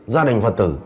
gia đình phật tử